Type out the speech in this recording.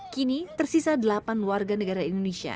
kini tersisa delapan warga negara indonesia